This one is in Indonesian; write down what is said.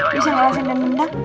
bisa gak rasanya nendang